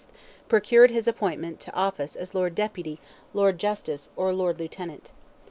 procured his appointment to office as Lord Deputy, Lord Justice, or Lord Lieutenant.